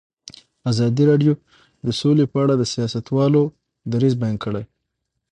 ازادي راډیو د سوله په اړه د سیاستوالو دریځ بیان کړی.